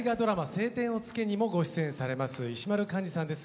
「青天を衝け」にもご出演されます石丸幹二さんです。